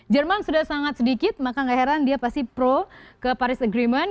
jerman sudah sangat sedikit maka gak heran dia pasti pro ke paris agreement